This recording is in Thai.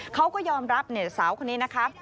เขาก็ยอมรับสาวคนนี้นะคะ